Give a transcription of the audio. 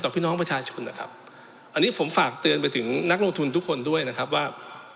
พี่น้องประชาชนนะครับอันนี้ผมฝากเตือนไปถึงนักลงทุนทุกคนด้วยนะครับว่า